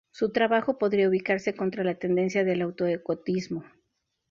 Su trabajo podría ubicarse contra la tendencia del auto-ecotismo.